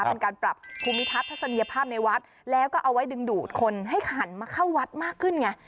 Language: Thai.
เป็นการปรับภูมิทัศน์ทัศนียภาพในวัดแล้วก็เอาไว้ดึงดูดคนให้หันมาเข้าวัดมากขึ้นไง